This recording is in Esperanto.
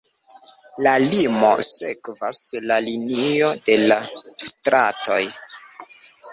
La limo sekvas la linion de la stratoj.